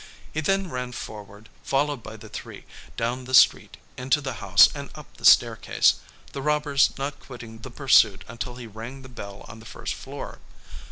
He then ran forward, followed by the three, down the street, into the house, and up the staircase; the robbers not quitting the pursuit until he rang the bell on the first floor.